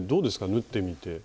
縫ってみて。